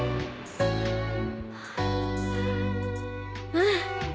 うん。